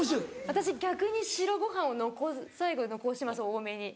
私逆に白ご飯を最後に残します多めに。